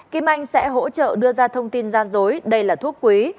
kim anh sẽ hỗ trợ đưa ra thông tin gian dối đây là thuốc quý